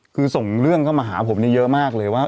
คือส่งเรื่องเข้ามาหาผมเยอะมากเลยว่า